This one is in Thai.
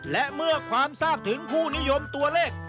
และเมื่อความทราบถึงผู้นิยมตัวเลข